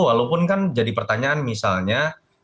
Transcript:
walaupun kan jadi pertanyaan misalnya